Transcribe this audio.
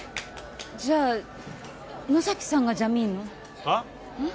じゃあ野崎さんがジャミーンの？はあ？えっ？